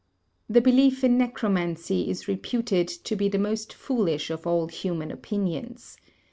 The belief in necromancy is reputed to be the most foolish of all human opinions.